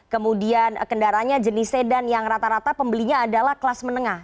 kemudian kendaraannya jenis sedan yang rata rata pembelinya adalah kelas menengah